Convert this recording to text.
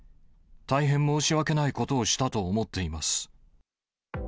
大変申し訳ないことをしたと思っています。